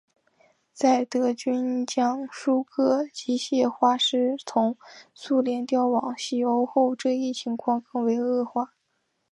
在德军将数个机械化师从苏联调往西欧后这一情况更为恶化。